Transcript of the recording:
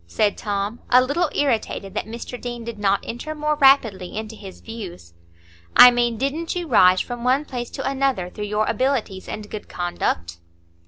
said Tom, a little irritated that Mr Deane did not enter more rapidly into his views. "I mean, didn't you rise from one place to another through your abilities and good conduct?"